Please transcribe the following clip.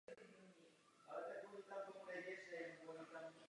Cílem je dominující postavení trhů a přírodních zdrojů.